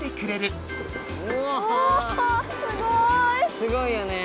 すごいよね。